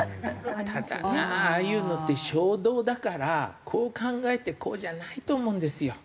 ただなああいうのって衝動だからこう考えてこうじゃないと思うんですよ。